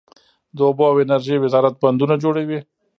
د اوبو او انرژۍ وزارت بندونه جوړوي